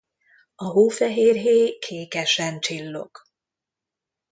A hófehér héj kékesen csillog.